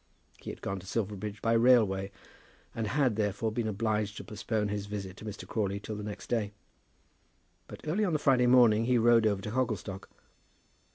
He had gone to Silverbridge by railway, and had, therefore, been obliged to postpone his visit to Mr. Crawley till the next day; but early on the Friday morning he rode over to Hogglestock.